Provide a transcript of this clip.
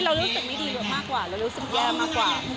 เรารู้สึกไม่ดีมากกว่าเรารู้สึกแย่มากกว่า